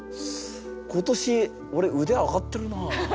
今年俺腕上がってるな。